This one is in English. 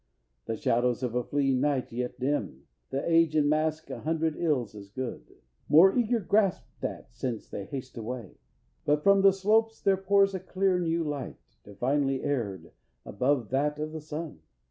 The shadows of a fleeing night yet dim The age and mask a hundred ills as good, More eager graspt at since they haste away; But from the slopes there pours a clear new light, Divinely aired, above that of the sun.